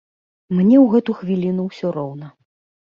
Мне ў гэту хвіліну ўсё роўна.